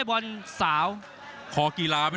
ภูตวรรณสิทธิ์บุญมีน้ำเงิน